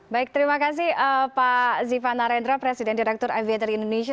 baik terima kasih pak ziva narendra presiden direktur aviator indonesia